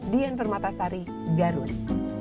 dian permatasari garuni